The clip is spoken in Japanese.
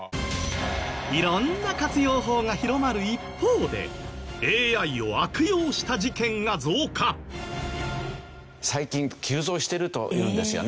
色んな活用法が広まる一方で最近急増してるというんですよね。